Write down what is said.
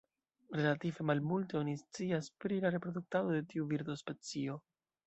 Relative malmulte oni scias pri la reproduktado de tiu birdospecio.